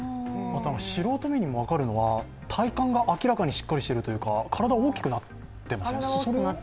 素人目にも分かるのは、体幹が明らかにしっかりしてるというか体、大きくなってません？